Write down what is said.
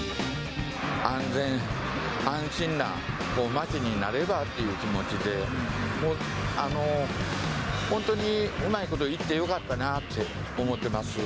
安全安心な街になればという気持ちで、本当にうまいこといってよかったなって思ってます。